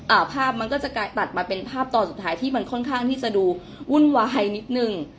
ภาพมันก็จะกลายตัดมาเป็นภาพตอนสุดท้ายที่มันค่อนข้างที่จะดูวุ่นวายนิดนึง